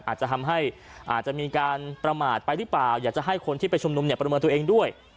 อาจจะทำให้อาจจะมีการประมาทไปหรือเปล่าอยากจะให้คนที่ไปชุมนุมเนี่ยประเมินตัวเองด้วย